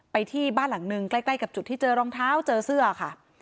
ไปที่บ้านหลังนึงใกล้กับจุดที่เจอรองเท้าเจอเสื้อค่ะ